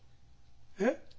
えっ？